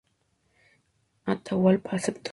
Atahualpa aceptó.